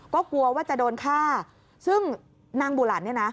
ก็กลัวว่าจะโดนฆ่าซึ่งนางบุหลันเนี่ยนะ